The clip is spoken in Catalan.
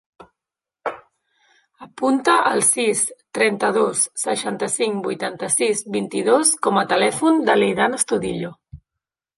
Apunta el sis, trenta-dos, seixanta-cinc, vuitanta-sis, vint-i-dos com a telèfon de l'Eidan Astudillo.